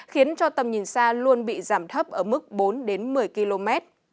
khiến cho tầm nhìn xa luôn bị giảm thấp ở mức bốn đến một mươi km